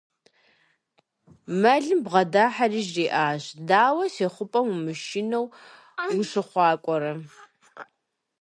Мэлым бгъэдыхьэри жриӀащ: -Дауэ си хъупӀэм умышынэу ущыхъуакӀуэрэ?